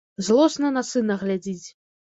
Злосна на сына глядзіць.